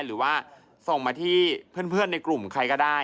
หรือว่าส่งมาที่เพื่อนในกลุ่มใครก็ได้